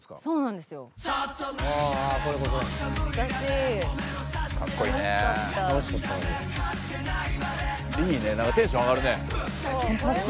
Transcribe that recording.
なんかテンション上がるね」